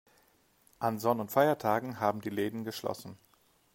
An Sonn- und Feiertagen haben die Läden geschlossen.